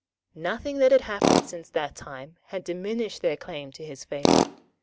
Nothing that had happened since that time had diminished their claim to his favour.